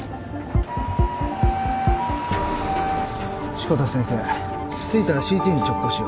志子田先生着いたらＣＴに直行しよう。